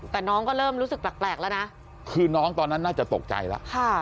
แต่น้องก็เริ่มรู้สึกแปลกแล้วนะคือน้องตอนนั้นน่าจะตกใจแล้ว